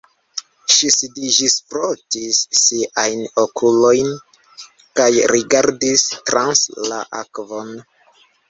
Ŝi sidiĝis, frotis siajn okulojn kaj rigardis trans la akvon.